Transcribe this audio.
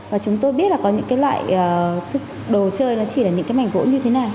và chúng tôi biết là có những cái loại đồ chơi nó chỉ là những cái mảnh gỗ như thế nào